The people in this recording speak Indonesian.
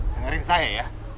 dengarin saya ya